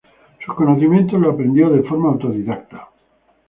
Sus conocimientos los aprendió de forma autodidacta.